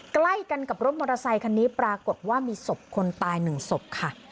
ใกล้กันกับรถมอเตอร์ไซคันนี้ปรากฏว่ามีศพคนตายหนึ่งศพค่ะ